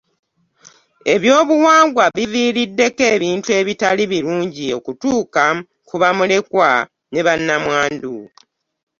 Ebyobuwangwa biviiriddeko ebintu ebitali birungi okutuuka ku bamulekwa ne bannamwandu.